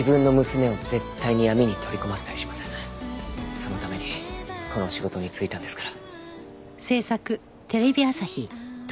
そのためにこの仕事に就いたんですから。